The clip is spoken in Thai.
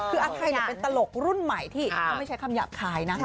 คืออาทายเป็นตลกรุ่นใหม่ที่ไม่ใช้คำอยากขายนะ